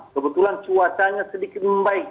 kebetulan cuacanya sedikit membaik